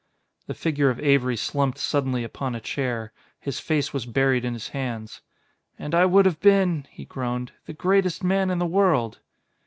The figure of Avery slumped suddenly upon a chair; his face was buried in his hands. "And I would have been," he groaned, "the greatest man in the world."